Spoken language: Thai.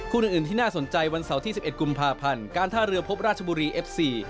อื่นที่น่าสนใจวันเสาร์ที่๑๑กุมภาพันธ์การท่าเรือพบราชบุรีเอฟซี